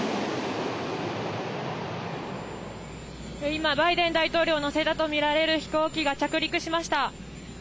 今、バイデン大統領を乗せたとみられる飛行機が着陸しました。